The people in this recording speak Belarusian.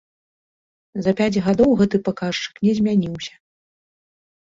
За пяць гадоў гэты паказчык не змяніўся.